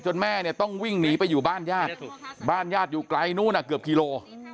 แม่เนี่ยต้องวิ่งหนีไปอยู่บ้านญาติบ้านญาติอยู่ไกลนู้นเกือบกิโล